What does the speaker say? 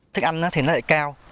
thức ăn thì nó lại cao